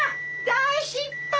大失敗！